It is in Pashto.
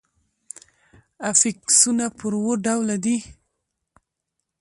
افیکسونه پر وده ډوله دي.